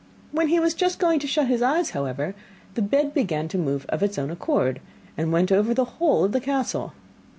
When he was just going to shut his eyes, however, the bed began to move of its own accord, and went over the whole of the castle.